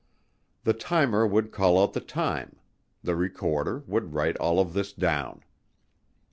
The timer would call out the time; the recorder would write all of this down.